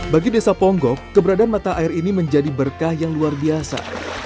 bagi desa ponggok keberadaan mata air ini menjadi berkah yang luar biasa